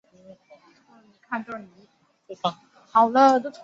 现任主持人为廖庆学与陈斐娟搭档。